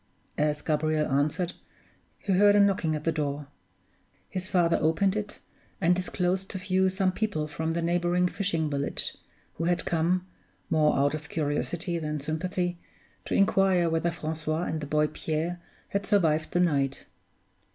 As Gabriel answered he heard a knocking at the door. His father opened it, and disclosed to view some people from the neighboring fishing village, who had come more out of curiosity than sympathy to inquire whether Francois and the boy Pierre had survived the night.